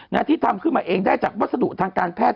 น่ะที่ทำขึ้นมาเองได้จากวจทุทางการแพทย์